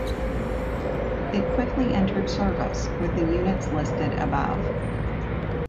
It quickly entered service with the units listed above.